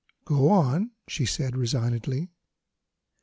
"Go on," she said resignedly.